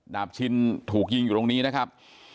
บชินถูกยิงอยู่ตรงนี้นะครับ